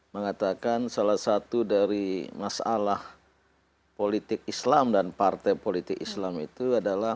mengatakan salah satu dari masalah politik islam dan partai politik islam itu adalah